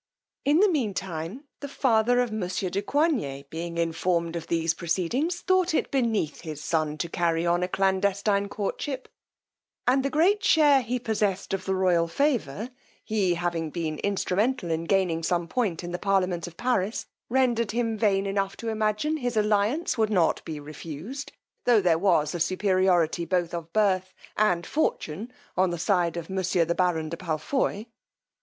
In the mean time the father of monsieur de Coigney being informed of these proceedings, thought it beneath his son to carry on a clandestine courtship; and the great share he possessed of the royal favour, he having been instrumental in gaining some point in the parliament of Paris, rendered him vain enough to imagine his alliance would not be refused, tho' there was a superiority both of birth and fortune on the side of monsieur the baron de Palfoy.